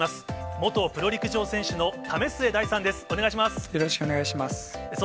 元プロ陸上選手の為末大さんです。